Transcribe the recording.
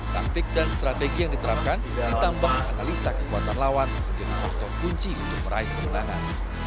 taktik dan strategi yang diterapkan ditambah menganalisa kekuatan lawan menjadi faktor kunci untuk meraih kemenangan